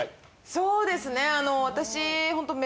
そうですね私。